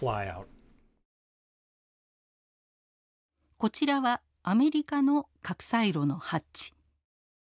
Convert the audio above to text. こちらはアメリカの核サイロのハッチ。